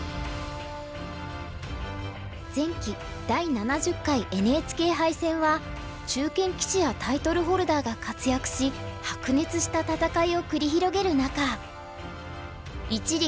前期第７０回ＮＨＫ杯戦は中堅棋士やタイトルホルダーが活躍し白熱した戦いを繰り広げる中一力